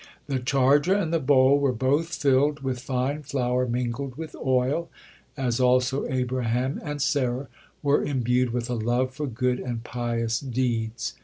The charger and the bowl were both filled with fine flour mingled with oil, as also Abraham and Sarah were imbued with a love for good and pious deeds.